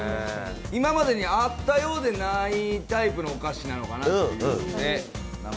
今までにあったようでないタイプのお菓子なのかなというので。